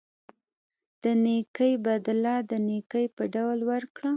د نیکۍ بدله د نیکۍ په ډول ورکړه.